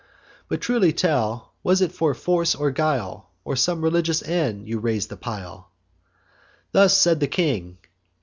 But truly tell, was it for force or guile, Or some religious end, you rais'd the pile?' Thus said the king.